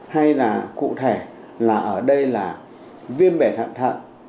hay là cụ thể là ở đây là viêm bể thận thận